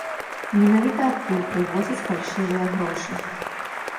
Менавіта адтуль прывозяць фальшывыя грошы.